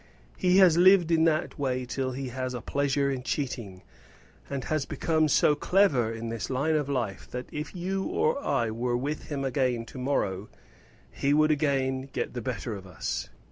He has lived in that way till he has a pleasure in cheating, and has become so clever in his line of life that if you or I were with him again to morrow he would again get the better of us.